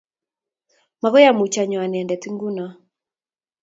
Makoy amuch anyo anendet inguno.